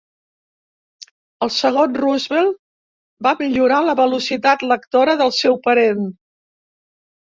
El segon Roosevelt va millorar la velocitat lectora del seu parent.